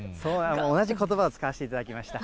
同じことばを使わせていただきました。